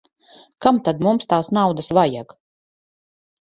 Kam tad mums tās naudas vajag.